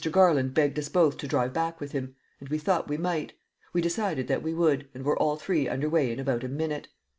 Garland begged us both to drive back with him; and we thought we might; we decided that we would, and were all three under way in about a minute.